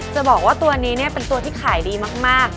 จะบอกว่าตัวนี้เนี่ยเป็นตัวที่ขายดีมาก